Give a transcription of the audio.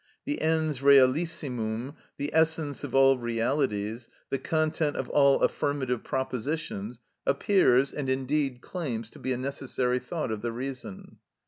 The ens realissimum, the essence of all realities, the content of all affirmative propositions, appears, and indeed claims to be a necessary thought of the reason.